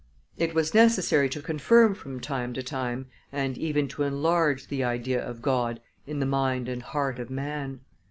It was necessary to confirm from time to time, and even to enlarge, the idea of God in the mind and heart of man.